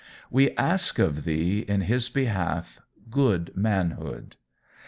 We ask of Thee in his behalf good Manhood.